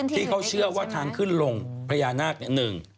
ที่เขาเชื่อว่าทางขึ้นลงพญานาคเนี่ย